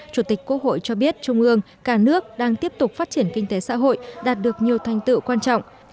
chủ tịch quốc hội cho biết trung ương cả nước đang tiếp tục phát triển kinh tế xã hội đạt được nhiều thành tựu quan trọng